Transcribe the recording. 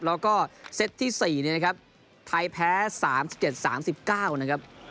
แล้วก็เซตที่๔เนี่ยนะครับไทยแพ้๓๗๓๙นะครับ